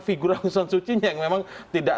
figur aung san suu kyi yang memang tidak